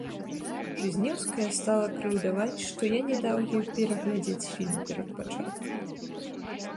Жызнеўская стала крыўдаваць, што я не даў ёй пераглядзець фільм перад пачаткам.